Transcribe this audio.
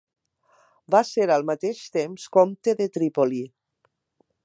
Va ser al mateix temps comte de Trípoli.